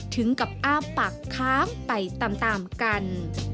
ถึงกับอ้าปากค้างไปตามกัน